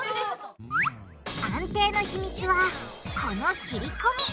安定の秘密はこの切りこみ！